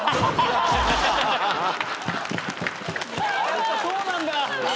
やっぱそうなんだ！